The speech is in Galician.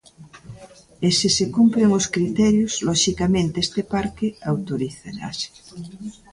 E se se cumpren os criterios loxicamente este parque autorizarase.